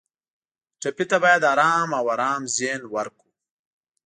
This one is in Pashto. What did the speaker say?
ټپي ته باید آرام او ارام ذهن ورکړو.